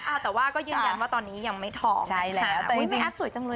อ่าแต่ว่าก็ยืนยันว่าตอนนี้ยังไม่ท้องใช่แล้วแต่จริงแอปสวยจังเลย